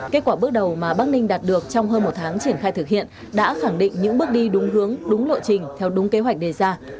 kết quả bước đầu mà bắc ninh đạt được trong hơn một tháng triển khai thực hiện đã khẳng định những bước đi đúng hướng đúng lộ trình theo đúng kế hoạch đề ra